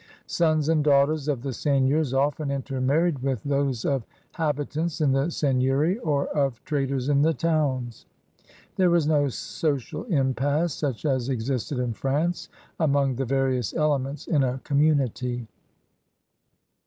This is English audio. Sons and daughters of the seigneurs often intermarried with those of habi tants in the seigneury or of traders in the towns. There was no social impasse such as existed in France among the various elements in a com munity.